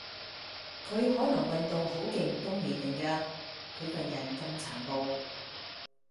佢可能運動好勁都未定嘅，佢份人咁殘暴